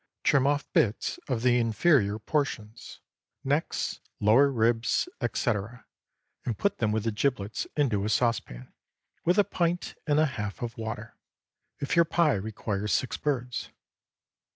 Trim off bits of the inferior portions, necks, lower ribs, etc., and put them with the giblets into a saucepan, with a pint and a half of water, if your pie requires six birds.